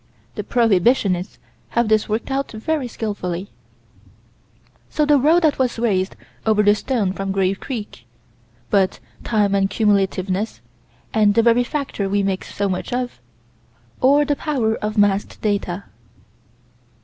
The prohibitionists had this worked out very skillfully. So the row that was raised over the stone from Grave Creek but time and cumulativeness, and the very factor we make so much of or the power of massed data.